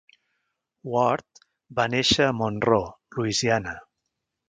Ward va néixer a Monroe, Louisiana.